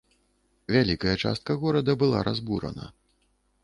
Вялікая частка горада была разбурана.